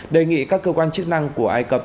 đề nghị các cơ quan chức năng của ai cập